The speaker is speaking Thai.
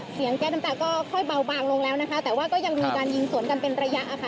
แก๊สน้ำตาก็ค่อยเบาบางลงแล้วนะคะแต่ว่าก็ยังมีการยิงสวนกันเป็นระยะค่ะ